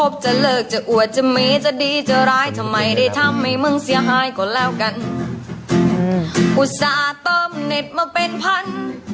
เพราะลูกของมันเป็นพัน